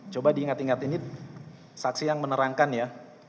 coba diingat ingat ini saksi yang menerangkan ya